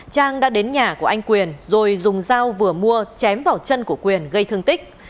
trang đã đến nhà của anh quyền rồi dùng dao vừa mua chém vào chân của quyền gây thương tích